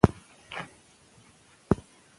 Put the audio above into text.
زمبیا د اوبو له برېښنا ګټه اخلي.